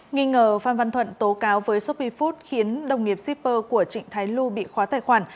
nghi ngờ phan văn thuận tố cáo với shopee food khiến đồng nghiệp shipper của trịnh thái lu bị khóa tài khoản